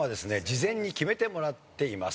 事前に決めてもらっています。